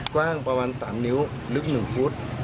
กว้างประมาณ๓นิ้วลึก๑ฟุต